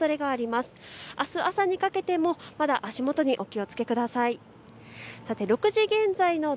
あす朝にかけてもまだ足元にお気をつけください。